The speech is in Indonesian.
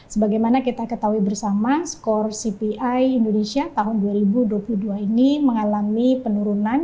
sebagaimana kita ketahui bersama skor cpi indonesia tahun dua ribu dua puluh dua ini mengalami penurunan